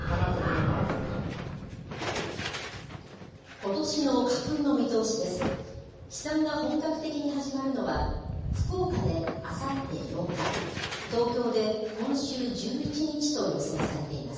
ことしの花粉の見通しです。